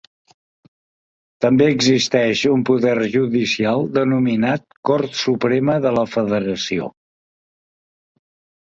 També existeix un poder judicial denominat Cort Suprema de la Federació.